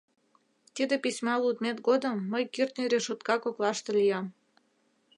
Тиде письма лудмет годым мый кӱртньӧ решотка коклаште лиям.